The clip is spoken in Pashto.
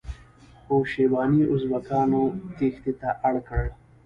خو شیباني ازبکانو تیښتې ته اړ کړ.